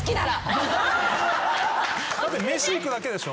だって飯行くだけでしょ？